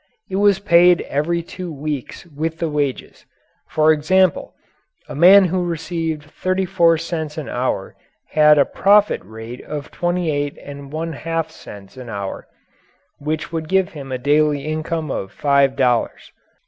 It was paid every two weeks with the wages. For example, a man who received thirty four cents an hour had a profit rate of twenty eight and one half cents an hour which would give him a daily income of five dollars.